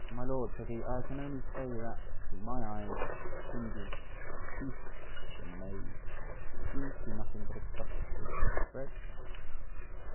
"My Lord," said he, "I can only say, that to my eyes and fingers, and teeth and nose, it seems to be nothing but a crust of bread."